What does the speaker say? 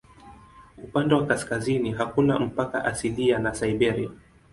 Upande wa kaskazini hakuna mpaka asilia na Siberia.